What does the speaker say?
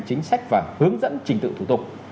chính sách và hướng dẫn trình tự thủ tục